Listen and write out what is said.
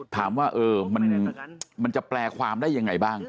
ถามว่ามันจะแปลความได้ยังไงบ้าง